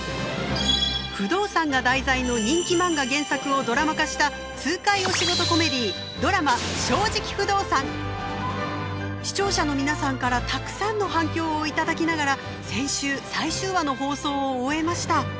不動産が題材の人気マンガ原作をドラマ化した痛快視聴者の皆さんからたくさんの反響を頂きながら先週最終話の放送を終えました。